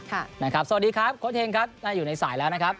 สวัสดีครับโค้ดเฮงครับน่าอยู่ในสายแล้วนะครับ